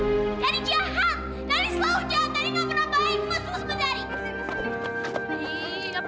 deddy selalu jahat